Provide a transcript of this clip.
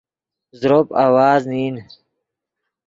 زروپ آواز نین